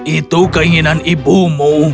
itu keinginan ibumu